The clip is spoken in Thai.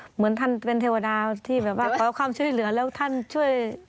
เหมือนเป็นเทวดาพบของช่วยเหลือแล้วท่านช่วย